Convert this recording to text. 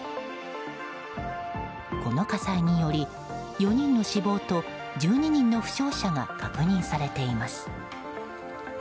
この火災により４人の死亡と１２人の負傷者が確認されています。